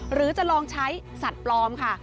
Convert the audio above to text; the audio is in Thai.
หรือจะลองใช้สัตว์ปลอมค่ะ